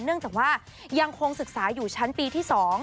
เนื่องจากว่ายังคงศึกษาอยู่ชั้นปีที่๒